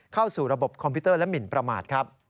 เข้าสู่ระบบคอมพิวเตอร์และหมินประมาทครับ